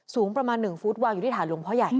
สูงประมาณ๑ฟุตวางอยู่ที่ฐานหลวงพ่อใหญ่